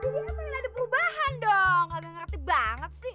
jadi apa yang ada perubahan dong kagak ngerti banget sih